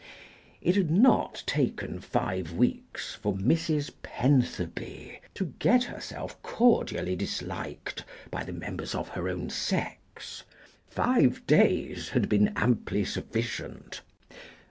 It had not taken five weeks for Mrs. Pentherby to get herself cordially disliked by the members of her own sex; five days had been amply sufficient.